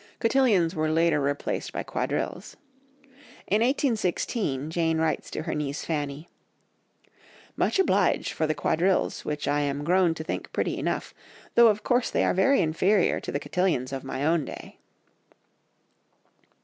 Cotillions were later replaced by quadrilles. In 1816, Jane writes to her niece Fanny— "Much obliged for the quadrilles which I am grown to think pretty enough, though of course they are very inferior to the cotillions of my own day."